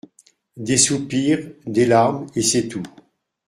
Des soupirs, des larmes, et c'est tout.